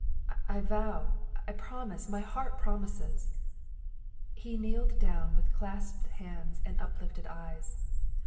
I vow, I promise, my heart promises!" He kneeled down with clasped hands, and uplifted eyes.